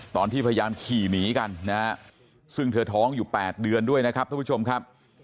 ตอนที่พยายามขี่หนีกันนะฮะซึ่งเธอท้องอยู่๘เดือนด้วยนะครับทุกผู้ชมครับ